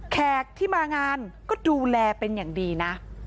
แขกที่มางานก็ดูแลเป็นอย่างดีนะ